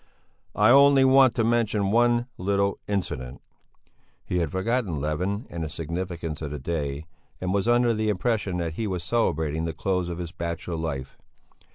I only want to mention one little incident." He had forgotten Levin and the significance of the day and was under the impression that he was celebrating the close of his bachelor life.